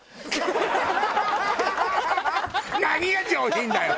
何が上品だよ！